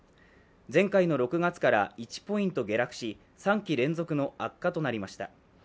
前回の６月から１ポイント下落し、３期連続の悪化となりました。